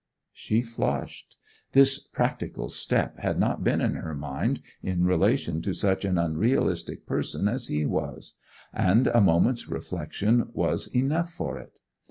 She flushed. This practical step had not been in her mind in relation to such an unrealistic person as he was; and a moment's reflection was enough for it.